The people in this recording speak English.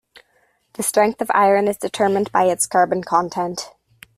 The strength of iron is determined by its carbon content.